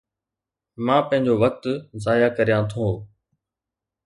مان پنهنجو وقت ضايع ڪريان ٿو